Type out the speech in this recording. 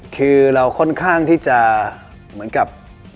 คือเราค่อนข้างที่จะเหมือนกับ